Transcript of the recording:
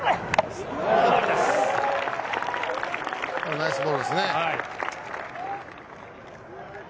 ナイスボールですね。